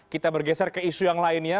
kita bergeser ke isu yang lainnya